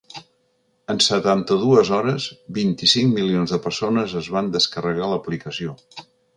En setanta-dues hores, vint-i-cinc milions de persones es van descarregar l’aplicació.